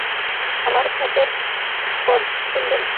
আমার স্যাটের স্কোর শুনবেন?